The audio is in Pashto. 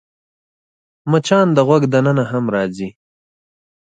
مچان د غوږ دننه هم راځي